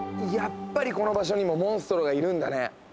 やっぱりこの場所にもモンストロがいるんだね。